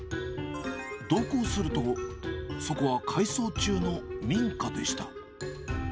同行すると、そこは改装中の民家でした。